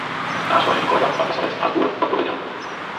Náš vážený kolega, pan poslanec Harbour, odpověděl.